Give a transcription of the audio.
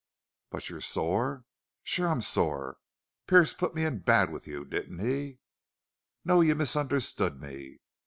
"But you're sore?" "Sure I'm sore. Pearce put me in bad with you, didn't he?" "No. You misunderstood me.